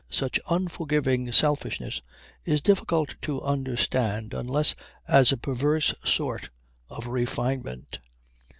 Such unforgiving selfishness is difficult to understand unless as a perverse sort of refinement.